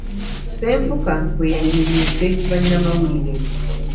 Ssenfuka bwe yannyonnyodde bannamawulire